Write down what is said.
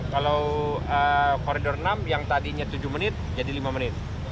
kalau koridor enam yang tadinya tujuh menit jadi lima menit